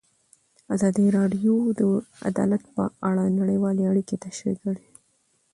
ازادي راډیو د عدالت په اړه نړیوالې اړیکې تشریح کړي.